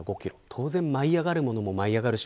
当然舞い上がるものも舞い上がります。